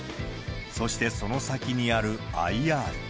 そして、その先にあるＩＲ。